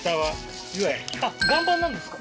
岩盤なんですか？